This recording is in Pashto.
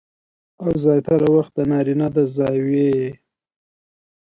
او زياتره وخت د نارينه د زاويې